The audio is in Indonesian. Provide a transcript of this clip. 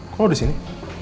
kok lo disini